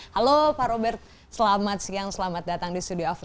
halo pak robert selamat siang selamat datang di studio after sepuluh